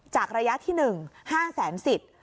จากระยะที่๑ห้าแสนสิทธิ์